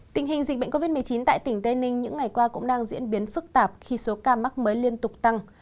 tình hình dịch bệnh covid một mươi chín tại tỉnh tây ninh những ngày qua cũng đang diễn biến phức tạp khi số ca mắc mới liên tục tăng